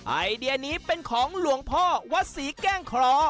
ไอเดียนี้เป็นของหลวงพ่อวัดศรีแก้งคลอ